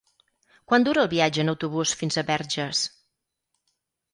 Quant dura el viatge en autobús fins a Verges?